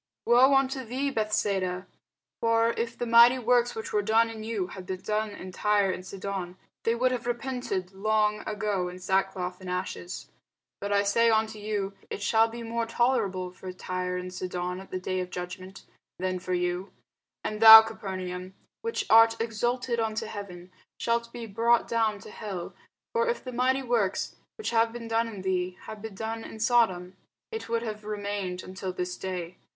woe unto thee, Bethsaida! for if the mighty works, which were done in you, had been done in Tyre and Sidon, they would have repented long ago in sackcloth and ashes. But I say unto you, It shall be more tolerable for Tyre and Sidon at the day of judgment, than for you. And thou, Capernaum, which art exalted unto heaven, shalt be brought down to hell: for if the mighty works, which have been done in thee, had been done in Sodom, it would have remained until this day.